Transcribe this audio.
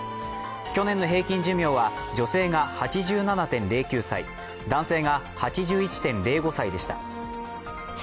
去年の平均寿命は女性が８７．０９歳、男性が８１．０５歳でした。